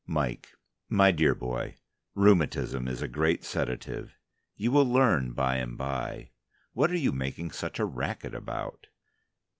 MIKE: My dear boy, rheumatism is a great sedative. You will learn by and by. What are you making such a racket about?